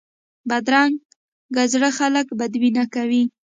بدرنګه زړه خلک بدبینه کوي